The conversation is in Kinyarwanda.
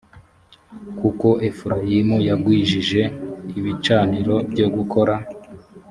kuko efurayimu yagwijije ibicaniro byo gukora